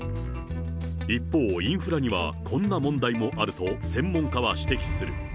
一方、インフラにはこんな問題もあると専門家は指摘する。